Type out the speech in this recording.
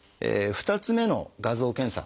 ２つ目の「画像検査」。